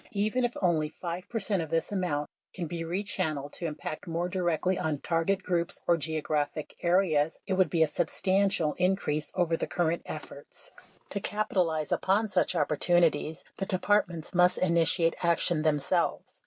Even if only 5 percent of this amount can be re channeled to impact more directly on target groups or geo graphic areas, it would be a substantial increase over the cur rent efforts. To capitalize upon such opportunities, the Departments must initiate action themselves.